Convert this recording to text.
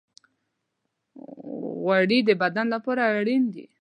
غوړې د بدن لپاره اړین دي.